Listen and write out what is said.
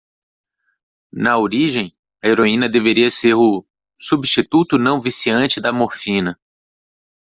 Na origem?, a heroína deveria ser o “substituto não-viciante da morfina”.